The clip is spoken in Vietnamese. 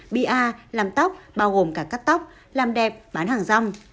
bi a làm tóc bao gồm cả cắt tóc làm đẹp bán hàng rong